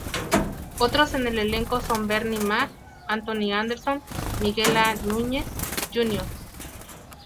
Otros en el elenco son Bernie Mac, Anthony Anderson, Miguel A. Núñez, Jr.